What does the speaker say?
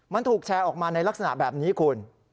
มันถูกแชร์ออกมาในลักษณะแบบนี้คุณ